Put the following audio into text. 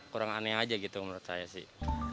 kurang aneh aja gitu menurut saya sih